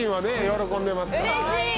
喜んでますから嬉しい！